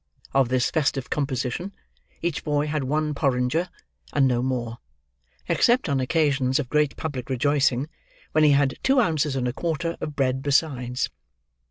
Of this festive composition each boy had one porringer, and no more—except on occasions of great public rejoicing, when he had two ounces and a quarter of bread besides.